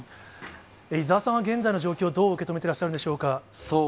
伊沢さんは現在の状況をどう受け止めてらっしゃるんでしょうか。